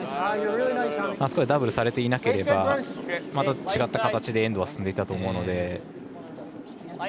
あそこでダブルされていなければまた違った形でエンドは進んでいたと思うので。